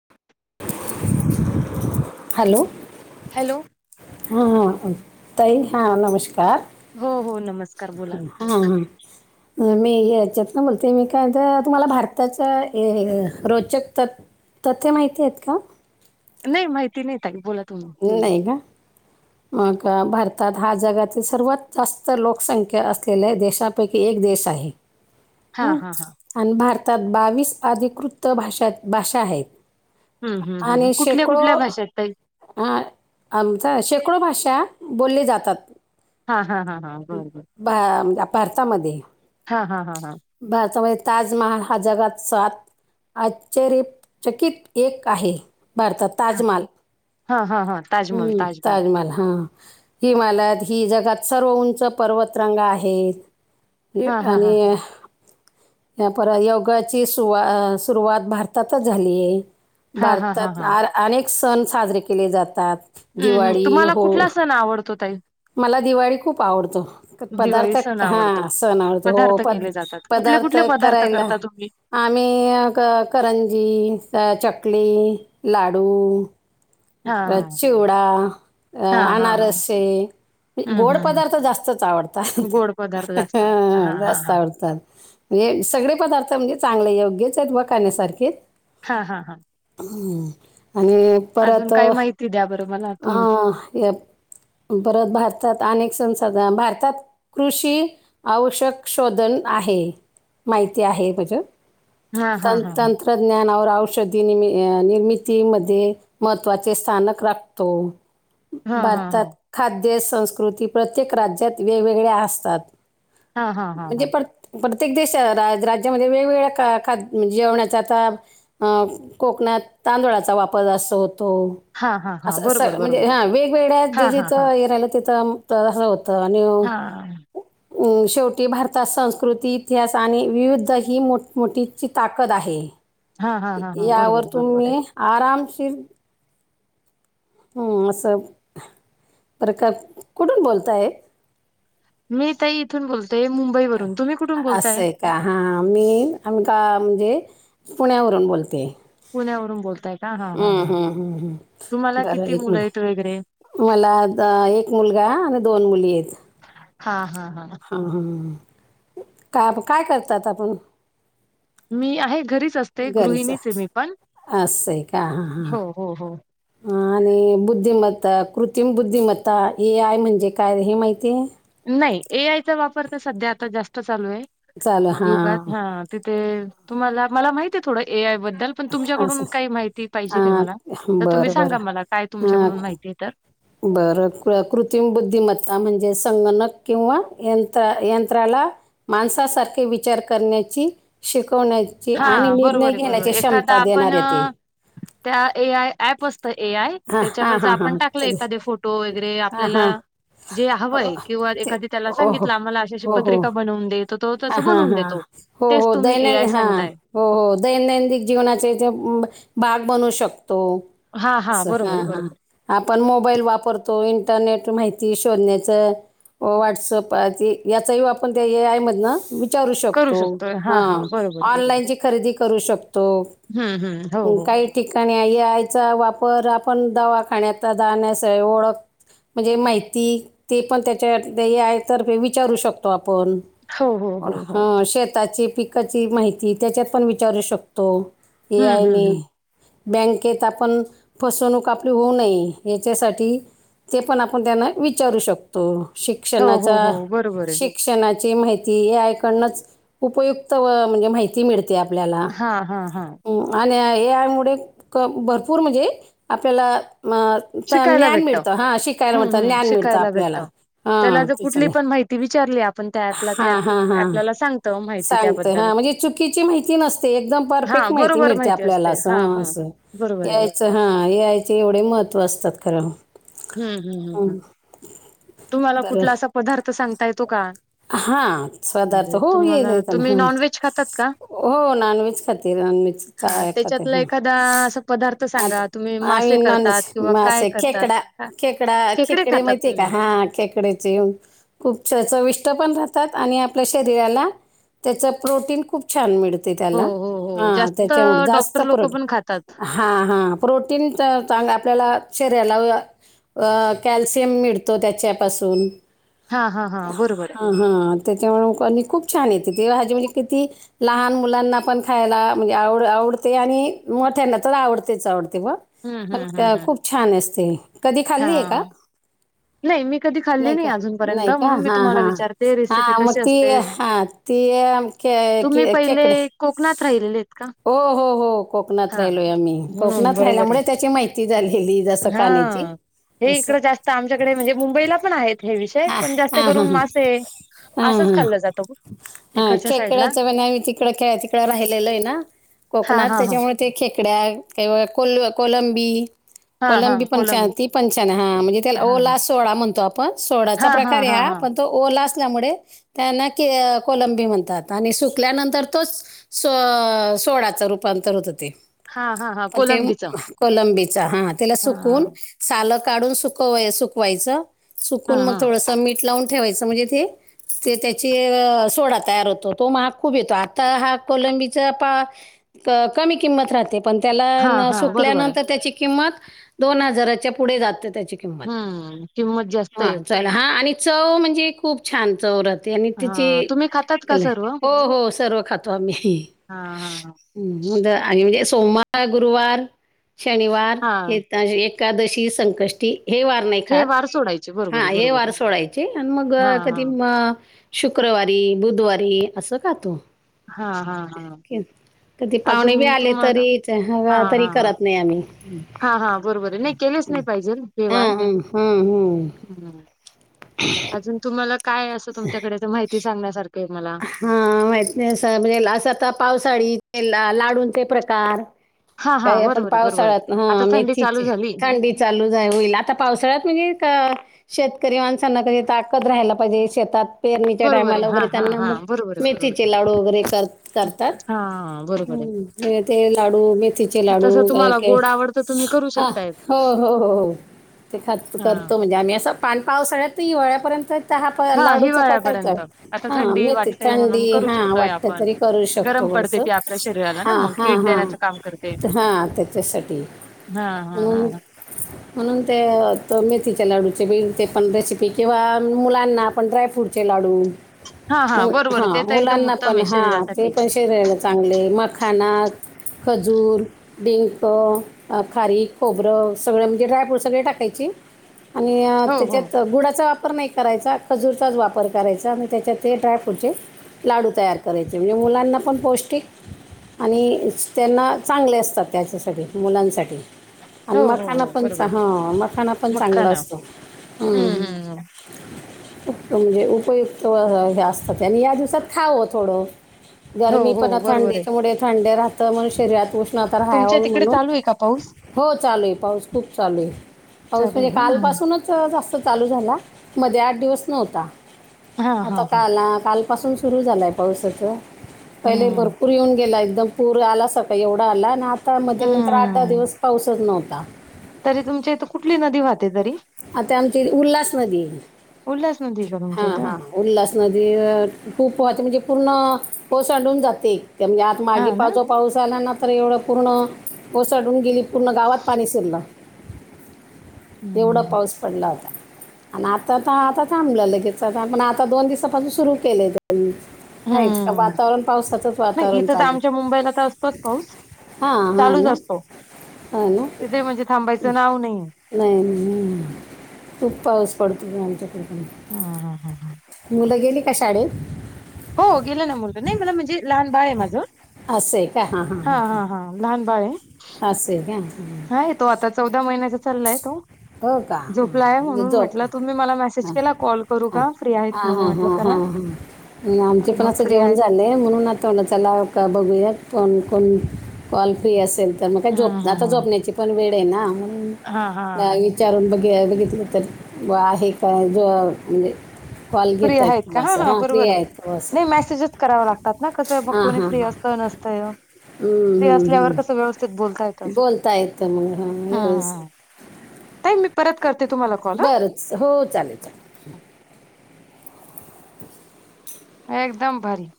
[inaudible] Hello! Hello! हा ह तई हा नमस्कार. हो हो नमस्कार बोला. हा हां मी याच्यात ना बोलते मी काय तर तुम्हाला भारताचा रोचक तत् तथ्य माहिती आहेत का? नाही माहिती नाही तई बोला तुम्ही. नाही का. मग भारतात हा जगातील सर्वात जास्त लोकसंख्या असलेल्या आहे देशात. पैकी एक देश आहे. हा हा हा आणि भारतात बावीस अधिकृत भाष भाषा आहेत. हम् हम् हम कुठल्या कुठल्या भाषेतही हा आमचा शेकडो भाषा बोलली जातात. हा हा हा हा बर बर म्हणज भारतामध्ये हा हा हा हा भारतामध्ये ताजमहल हा जगात स्वात आज रचकित एक आहे भारतात हा ताजमहल हा हा हा. हम्म ताजमहल हा. हिमालयात ही जगात सर्व उंच पर्वतरंग आहेत. हा हा आणि. हा त्या पर योगाची सुवा सुरुवात भारतातच झाली आहे. हा हा हा भारतात हा अनेक सण साजरे केले जातात. हम्म हम दिवाळी, तुम्हाला हो कुठला सण आवडतो ताई. मला दिवाळी खूप आवडतो दिवाळी पदार्थ सण हा आवडतो सण आवडतो हो पदार्थ प केले जातात कुठले पदार्थ कुठले पदार्थ करायला. करता तुम्ही आमही करंजी चकली. लाडू हा चिवडा हा हा हा अनारसे. हम्म गोड हम्म पदार्थ जास्तच आवडतात हम्म गोड पदार्थ जास्त आवडतात हा हा जास्त हा आवडत. असतात म्हणजे सगळे पदार्थ म्हणजे चांगले योग्यच आहेत ब काण्यासारखे हा हा हा अंहंहं आणि अजून काय माहिती द्या बरं मला तुम अअ हे परत भारतात अनेक संणसाध भारतात कृषी आवश्यक शोधन आहे माहिती आहे मझ हा हा तं हा हा तंत त्रज्ञानवर औषधी निम निर्मितीमध्ये महत्त्वाचे स्थानक राख तो. हा हा भारतात हा खाद्य संस्कृती प्रत्येक राज्यात वेगवेगळ्या असतात हां हां हां म्हणजे हां प्र प्रत्येक देश राज राज्यामध्ये वेगवेगळ्या खा खाद म्हणजे जेवणाचा आता अं कोकणात तांदूळाचा वापर जास्त होतो. हां हां हां अस स बरोबर बरोबर म्हणजे हा वेगवेगळ्या हां जे हां हां जिथं हे राहिलं तिथं तं होत तं आणिवं हां अम्म शेवटी भारतात संस्कृती इतिहास आणि विविध ही मोठमोठीची ताकद आहे. हां हां हां हां यावर बरोबर बरोबर आहे. तुम्ही आरामशीर हम्म असं प्रकार कुठून बोलताये? मी ताई इथून बोलते मुं आ असय का हां मी आमकां म्हणजे पुण्यावरून बोलते. पुण्यावरून बोलताय का हां हां हम्म हां हूं हूं हूं तुम्हाला बरं किती एक मुलं मिनट आहेत थांब वगैरे? मला आता एक मुलगा आणं दोन मुली येत. हा हा हा अअ हा हा का काय करतात आपण मी आहे घरीच असते घरीच गृहिणीच मी पण असं [inaudible] हो हो हो अ आणि बुद्धिमत्ता कृतिम बुद्धिमत्ता ए आय म्हणजे काय हे माहितीये? नाही ए आयचा वापर तर सध्या आता जास्त चालूय चालू युगात हां हा तिथे तुम्हाला मला माहिती आहे थोडं ए आय बद्दल पण असं तुमच्याकडून काही माहिती पाहिजेल ये हां मला तर तुम्ही बरं बरं सांगा मला काय हां तुमच्याकडून माहिती ये तर बरं क कृत्रिम बुद्धिमत्ता म्हणजे संगणक किंवा यंत्र यंत्राला माणसासारखे विचार करण्याची शिकवण्या ची आणि हा निर्णय बरोबर आहे बरोबर घेण्याची आहे. एखादा क्षमता आपण देणार ये ते अ, त्या ए आय ऍप असत ए आय हां हां त्याच्यावर जर हां आपण हां टाकले ते एखादे फोट टो वगैरे हां आपल्याला हां जे हो हवंय किंवा ते एखादी त्याला हो हो सांगितलं आम्हाला अशी अशी हो हो पत्रिका बनवून दे तो हा तसं हा बनवून हा देतो. हो तेच हो तुम्ही ए आय दैनंद हा सांगताय. हो हो दैनंदिक जीवनाचे याच भाग बनू शकतो. हां, हां. असं हा बरोबर, हा बरोबर. आपण मोबाईल वापरतो इंटरनेट माहिती शोधण्याच व्हॉट्सअपाचे याचाही आपण ते ए आय मधनं वि चारू करू शकतो. शकतोय. हा हां, हां. बरोबर, ऑनलाईन ची खरेदी करू शकतो. हा हा हो अं, हो काही ठिकाणी आहे ए‌ आय वापर आपण दवाखान्याता जाण्यास ओळख म्हणजे माहिती ते पण त्याच्या ए आय तर विचारू शकतो आपण हो, हो, पर हो, हो. ह शेताची पिक पिकाची माहिती त्याच्यात पण विचारू शकतो ए हं, आय हं, नी हं. बँकेत आपण फसवणूक आपली होऊ नये. या यासाठी ते पण आपण त्यांना विचारू शकतो हो, हो, शिक्षणाचा हो. बरोबर शिक आहे. शिक्षणाची माहिती ऐकडनच उपयुक्त म्हणजे माहिती ती मिळते आपल्याला हां, हां, हां. आणि यामुळे क भरपूर म्हणजे आपल्याला शिकायला ज्ञान भेटतं. मिळतं हा शिकायला हं, मिळतं हं. ज्ञान मिळतं शिकायला आपल्याला भेटतं. त्याला हां जर कुठली त्याच्याने पण माहिती विचारली आपण त्या पला हां हां हां त्याल्याला सांगतो माहिती त्याबद्दल सांगते हा म्हणजे चुकीची माहिती नसते एकदम हा परफेक्ट माहिती बरोबर मिळते आपल्याला असते अस हा हां. हा बरोबर आहे बरोबर आहे. ए आय चे एवढे महत्त्व असतात खरं. हम्म -हम् -हम् हं, -हम् तुम्हाला कुठला असा पदार्थ सांगता येतो का? हा [inaudible] सादारथ म्हणजे हो तुम्हाला येतो ना तुम्ही हा. नॉनव्हेज खातात का हो नॉन व्हेज खाते नॉन व्हेज हा [unintelligible] खात त्याच्यातला ह एखादा असा पदार्थ सांगा तुम्ही आता आ [unintelligible] मासे न करतात किंवा काय मे करतात खेकडा हा खेकडा खेकडे माहितीय का हा खेकडे. [unintelligible] पण राहतात आणि आपल्या शरीराला त्याच प्रोटीन खूप. छान मिळते हो त्याला हो हो ह जास्त त्याच्यामुळे जास्त डॉक्टर लोक प्रोटीन पण खातात हां हां प्रोटीन तर चांगलं [inaudible] आपल्याला शरीराला अ कॅल्शियम मिळत त्याच्यापासून हा -हा- हा बरोबर आहे. हां त्याच्यामु [unintelligible] आणि खूप छान येते ते्हा हजे म्हणजे किती? लहान मुलांना पण खायला म्हणजे आवड आवडते आणि मोठ्यांना तर आवडतेच आवडते. आहे हम्म पण हम्म हम्म हम्म खूप छान असते कधी खाल्लीय हा का? नाही मी कधी खल्ली नाही अजूनपर्यंत म्हणून मी तुम्हाला विचार हा मग ती हा ती तुम्ही पहिले केकडे. कोकणात राहिलेले आहेत का? हो हो हो कोकणात हा. राहिलोय आम्ही म्हणून कोकणात बरोबर आहे राहिल्यामुळे त्याची माहिती झालेली जस खाण्याची. हा. हे असं इकडं जास्त आमच्याकडे म्हणजे मुंबईला पण आहेत. हे विषय हां पण जास्त हां हां करून हां. मासे असंच खल्लं जातं ग. हा खेकड्याच आम्ही तिकड खेळ तिकडं राहिलेलो आहे ना हा कोकणात हा हा त्याच्यामुळे ते खेकड्या काही ब कोल कोलंबी हा हा कोलंबी कोलम पंचातीी पंचात हा म्हणजे त्याला हा ओला सोळा म्हणतो आपण सोडाचा प्रकार हा पण तो ओला असल्यामुळे त्यांना के कोलंबी म्हणतात आणि सुकल्यानंतर तोच स सोळााचं रूपांतर होत ते हा हा हा मग ते कोलंबीच हा कोलंबीचा हा त्याला सुकून हा सालं काढून सुक सुकवायचं सुकून मग हा थोडसं मीठ लावून ठेवायचं म्हणजे [unintelligible] ते त्याची सोडा तयार होतो तो महा खूप येतो आता हा कोलंबीचा पा कमी किंमत राहते. पण हा त्याला हा बरोबर आहे. सुकल्यानंतर त्याची किंमत दोन हजाराच्या पुढे जात त्याची किंमत हम किमत जास्त आहेत. चल हां आणि चव म्हणजे खूप छान चवरथ. आणि हा तिची तुम्ही खातात का सर्व? हो हो सर्व खातो आम्ही हा हा म्हणजे सोमवार गुरुवार शनिवार हा हे एक. एकादशी संकष्टी हे व हे वार सोडायचं. हा हे वार सोडायचे आणि मग हा हा कधी म शुक्रवारी बुधवारी असं खातो. हा हा. हा कधी पाहुणे बी अजून आले तुम्हाला तरीच ह हा हा तरी हा करत नाही आम्ही हा हा बरोबर आहे नाही केलेच नाही पाहिजे व्यवहार हं हं हं हं. ह्. अजून तुम्हाला काय असं तुमच्याकडे तर माहिती सांगण्यासारखं मला हा माहती नाही म्हणजे असं आता पावसाळी लाडूंचे प्रकार हा हा काही आपण बरोबर आहे बरोबर आहे. पावसाळ्यात आता हा थंडी चालू मेथीचे झाली थंडी चालूच आहे होईल आता पावसाळ्यात म्हणजे शेतकरी माणसांना कधी ताकद राहायला पाहिजे शेतात. पेरणीच्या बरोबर आहे टायमाला हा वगैरे हा त्यांना हा मग बरोबर आहे बरोबर आहे. मेथीचे लाडू वगैरे कर करतात. हा बरोबर आहे. हम्म ते लाडू. तिचे तसं लाडू तुम्हाला काक गोड आवडतं तुम्ही करू हा शकताय हो हो हो हो. ते ख हा करतो म्हणजे आम्ही असं पाण पावसाळ्यात हिवाळ्यापर्यंत तर हा प लाडूचा प्रकारच हिवाळ्यापर्यंत आता हा थंडी मेथी वाटतेय म्हणून चथांडी करू हा शकतोय वाटत आपण तरी करू गरम शकतो पडते असं ती आपल्या शरीराला ना हा मग हा कीट हां. देण्याचं काम करते. हां त्याच्यासाठी हा हा हा म्हणून हा म्हणून ते मेथीच्या लाडूचे बिल ते पण रेसिपी किंवा मुलांना आपण ड्रायफ्रूट हा हा बरोबर ते तर एकदम मुला उत्तम पण आहे ह शरीरासाठी. पण शिरायला चांगले मखाना खजूर डिंक खारी खोबरं सगळं म्हणजे ड्राय फ्रूट सगळे टाकायची. आणि हो हो त्याच्यात गुडाचा वाप. वापर नाही करायचा खजूरचाच वापर करायचा आणि त्याच्यात ते ड्रॅफ होचे. लाडू तयार करायचे म्हणजे मुलांना पण पौष्टिक आणि त्यांना चांगले असतात त्याच्यासाठी मुलांसाठी आणि हो हो मखाना हो पण बरोबर हा मखाना पण चांगला मखाना असतो हम्म हम्म्. हम्म. हम्म. [unintelligible] म्हणजे उपयुक्त असतात ते आणि या दिवसात खावं थोडं. हो गरमी हो पण बरोबर आहे थंडीच्या मु थंडे राहत म्हण शरीरात उष्णता हाय तुमच्या होल तिकडे म्हणून चालू आहे का पाऊस? हो चालेल पाऊस खूप चालेू आहे पाऊस चालू म्हणजे आहे ना. कालपसूनच जा चालू झा मध्ये आठ दिवस नव्हता हा हा आता हा का का? पासून सुरू झालं आहे पावसाचं पहिले हम्म भरपूर येऊन गेला एकदम. पूर आला सकाळी एवढा आला आणि आता मध नंतर आठ दहा हम्म दिवस पाऊसच नव्हता. तरी तुमच्या इथं कुठली नदी वाहते तरी आता आमची उल्हास नदी आहे उल्हास नदी का हा तुमच्या इथं? हा. उल्हास नदी खूपहते म्हणजे पूर्ण पोसांडून जाते ते म्हणजे आता मागे हा ना पावचो पाऊस आला ना तर एवढं पूर्ण ओसाडून गेली पूर्ण गावात पाणी शिरलं. एवढा हम्म पाऊस पडला होता. आणि आता तर आता थांबलं लगेच पण आता दोन दिवसापासून सुरु केले. ह का हम्म वातावरण पावसाातच नाही वातावरण इथं तर चालू. आमच्या मुंबईला तर असतोच पाऊस हा हा चालूच ना. असतो हां ना इथे म्हणजे थांबायचं नाव नाही. नाही खूप पाऊस पडतो आमच्याकडे ह हा हा हा. मुलं गेली का शाळेत हो गेला ना मुलगा नाही मला म्हणजे लहान बाळ आहे माझं असं आहे का हा हां हां. लहान बाळ आहे. अस असे का? हय तो आता चौदा महिन्याचा चाललाय तो हो का हां हां. झोपलाय म्हणजे म्हणून झोप म्हटलं तुम्ही मला मेसेज केला कॉल करू का फ्री आहे. हा हा हां हां हा आमचे पण मग असं फ्री जेवण. आहेत ले म्हणून आ तवडचालाव का बघूयात कोण कोण कॉल फ्री असेल. तर मग काय हा झोप हा आता झोपण्याची पण वेळ आहे ना हा हा म्हणूना. हा विचारून बघ बघितलं तर व आहे काय ज म्हणजे कॉल फ्री घेत आहेत का हा असं हां फ्री बरोबर आहे आहेत असं नाही मेसेजेस कराव लागतात ना कसं हां कोणी हां फ्री हां अस. हं, त हं, असल्यावर कस हं. व्यव बोलता येत अस बोलता येतं मग हां हम्म व्यवस्थित नाही मी परत करते तुम्हाला कॉल ह बरं हो चालेल चालेल एकदम भरी